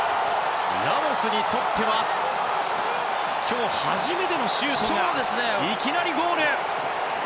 ラモスにとっては今日初めてのシュートがいきなりゴール！